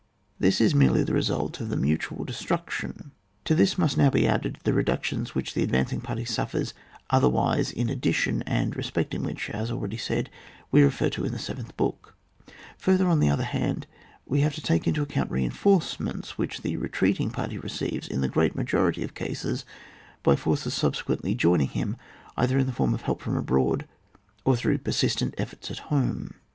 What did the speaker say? This is merely the result of the mu tual destruction ; to this must now be added the reductions which the advancing party suffers otherwise in addition, and respecting which, as already said, we refer to the seventh book ; further, on the other hand, we have to take into account reinforcements which the retreating party receives in the great majority of cases, by forces subsequently joining him either in the form of help from abroad oi through persistent eMorts at home.